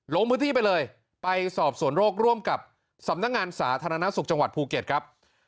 ลงพื้นที่ไปเลยไปสอบสวนโรคร่วมกับสำนักงานสาธารณสุขจังหวัดภูเก็ตครับ